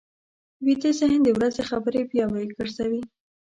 ویده ذهن د ورځې خبرې بیا بیا ګرځوي